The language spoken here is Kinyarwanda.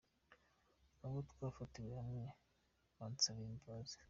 abo twafatiwe hamwe bansabira imbabazi.